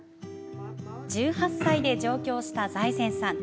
１８歳で上京した財前さん。